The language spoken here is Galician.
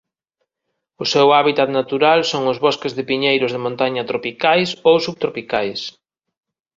O seu hábitat natural son os bosques de piñeiros de montaña tropicais ou subtropicais.